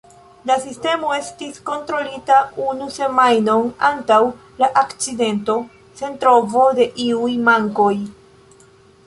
La sistemo estis kontrolita unu semajnon antaŭ la akcidento, sen trovo de iuj mankoj.